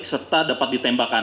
serta dapat ditembakan